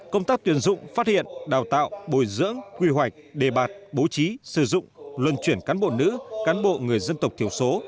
công tác tuyển dụng phát hiện đào tạo bồi dưỡng quy hoạch đề bạt bố trí sử dụng luân chuyển cán bộ nữ cán bộ người dân tộc thiểu số